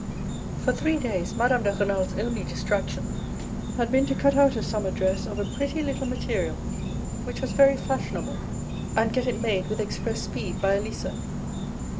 For three days Madame de Renal's only distraction had been to cut out a summer dress of a pretty little material which was very fashionable, and get it made with express speed by Elisa.